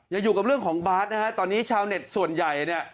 อยู่กับเรื่องของบาร์ดนะฮะตอนนี้ชาวเน็ตส่วนใหญ่เนี่ย